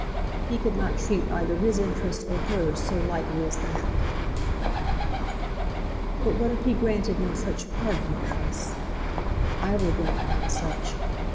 He could not treat either his interests or hers so lightly as that. "But what if he granted no such pardon, Alice? I will grant none such.